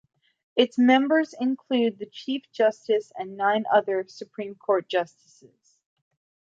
Its members include the Chief Justice and nine other Supreme Court justices.